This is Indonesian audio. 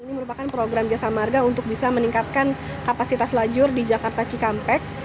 ini merupakan program jasa marga untuk bisa meningkatkan kapasitas lajur di jakarta cikampek